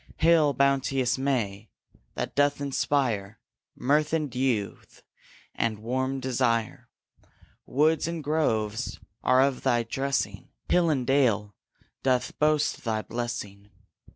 Hail, bounteous May, that doth inspire Mirth and youth and warm desire! Woods and groves are of thy dressing, Hill and dale doth boast thy blessing.